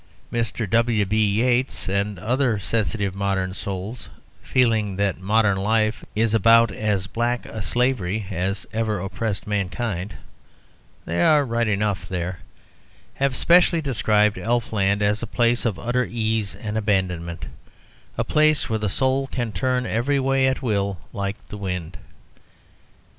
Mr. W.B. Yeats and other sensitive modern souls, feeling that modern life is about as black a slavery as ever oppressed mankind (they are right enough there), have especially described elfland as a place of utter ease and abandonment a place where the soul can turn every way at will like the wind.